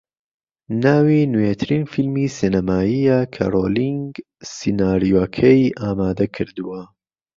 ناوی نوێترین فیلمی سینەماییە کە رۆلینگ سیناریۆکەی ئامادەکردووە